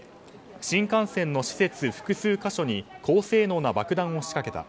新幹線の施設複数箇所に高性能な爆弾を仕掛けた。